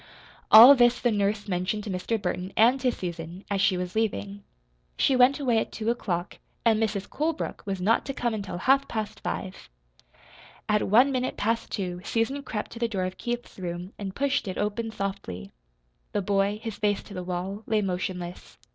All this the nurse mentioned to Mr. Burton and to Susan, as she was leaving. She went away at two o'clock, and Mrs. Colebrook was not to come until half past five. At one minute past two Susan crept to the door of Keith's room and pushed it open softly. The boy, his face to the wall, lay motionless.